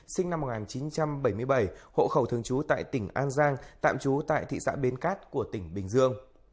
sinh năm một nghìn chín trăm bảy mươi bảy hộ khẩu thường trú tại tỉnh an giang tạm trú tại thị xã bến cát của tỉnh bình dương